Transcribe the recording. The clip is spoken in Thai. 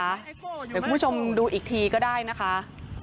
เดี๋ยวคุณผู้ชมดูอีกทีก็ได้นะคะ